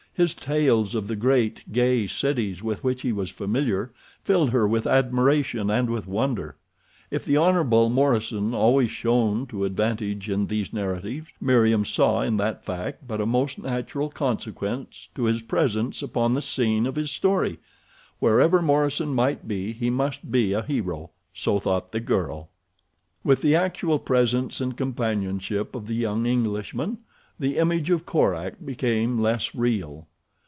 His tales of the great, gay cities with which he was familiar filled her with admiration and with wonder. If the Hon. Morison always shone to advantage in these narratives Meriem saw in that fact but a most natural consequence to his presence upon the scene of his story—wherever Morison might be he must be a hero; so thought the girl. With the actual presence and companionship of the young Englishman the image of Korak became less real.